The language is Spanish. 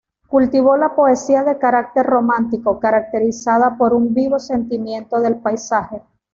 Cultivó la poesía de carácter romántico, caracterizada por un vivo sentimiento del paisaje.